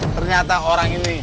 ternyata orang ini